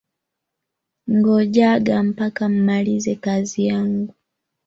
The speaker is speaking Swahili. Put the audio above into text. Ngojaga mpaka mmalize kazi yangu.